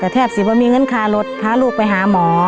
แทบ๑๐ว่ามีเงินค่ารถพาลูกไปหาหมอ